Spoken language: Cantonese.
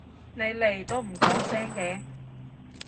你嚟都唔講聲嘅？